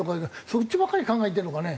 そっちばっかり考えてるのかね？